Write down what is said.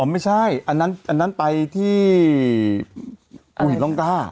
อ๋อไม่ใช่อันนั้นไปที่อุหิลองกล้า